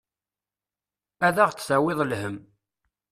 Ad aɣ-d-tawiḍ lhemm.